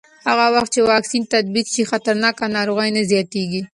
هغه وخت چې واکسین تطبیق شي، خطرناک ناروغۍ نه زیاتېږي.